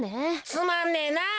つまんねえなあ。